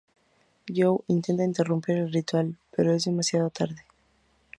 Jo intenta interrumpir el ritual, pero es demasiado tarde.